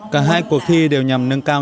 cả hai cuộc thi đều nhằm nâng cao